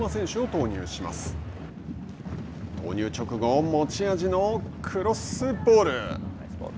投入直後、持ち味のクロスボール。